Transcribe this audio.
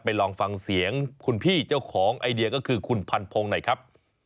ลองฟังเสียงคุณพี่เจ้าของไอเดียก็คือคุณพันพงศ์หน่อยครับ